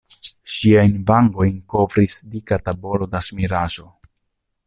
Ŝiajn vangojn kovris dika tabolo da ŝmiraĵo.